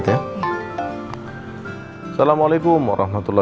tunggal sudah melissa alhamdulillah